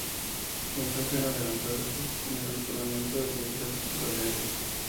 Nunca se han adelantado las elecciones al Parlamento de las Islas Baleares.